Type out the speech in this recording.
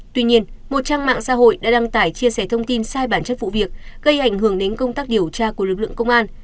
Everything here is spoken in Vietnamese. tuy nhiên một trang mạng xã hội đã đăng tải chia sẻ thông tin sai bản chất vụ việc gây ảnh hưởng đến công tác điều tra của lực lượng công an